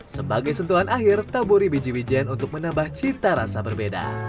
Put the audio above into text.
sebagai sentuhan akhir taburi biji wijen untuk menambah cita rasa berbeda